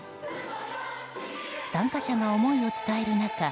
参加者が思いを伝える中